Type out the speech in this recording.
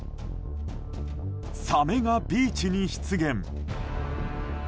サメがビーチに出現。